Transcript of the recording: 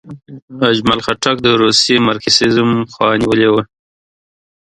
اجمل خټک د روسي مارکسیزم خوا نیولې وه.